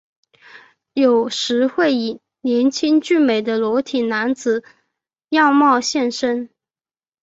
有时会以年轻俊美的裸体男子样貌现身。